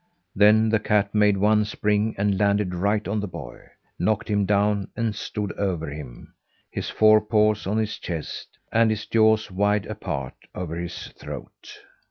Then the cat made one spring and landed right on the boy; knocked him down and stood over him his forepaws on his chest, and his jaws wide apart over his throat.